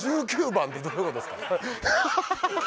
１９番ってどういうことですか？